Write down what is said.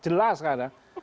jelas kan ada